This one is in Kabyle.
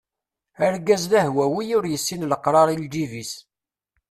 Argaz d ahwawi ur yessin leqrar i lǧib-is.